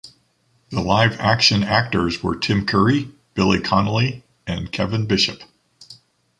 The live-action actors were Tim Curry, Billy Connolly, and Kevin Bishop.